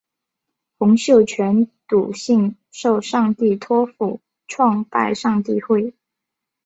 洪秀全笃信受上帝托负创拜上帝会。